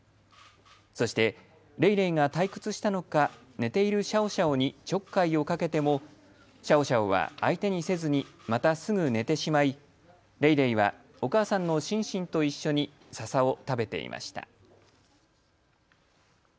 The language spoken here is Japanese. そして、レイレイが退屈したのか、寝ているシャオシャオにちょっかいをかけても、シャオシャオは相手にせずに、またすぐ寝てしまい、レイレイはお母さんのシンシンと一緒にささを食べていました。